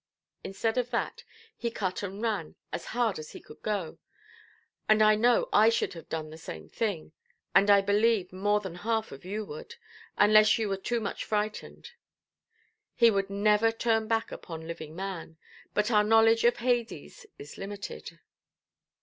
Instead of that, he cut and ran as hard as he could go; and I know I should have done the same, and I believe more than half of you would, unless you were too much frightened. He would never turn back upon living man; but our knowledge of Hades is limited.